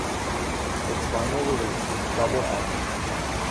Its vinyl release is a double album.